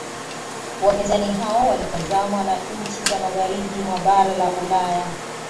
Wapinzani hao walitazamwa na nchi za magharibi mwa bara la Ulaya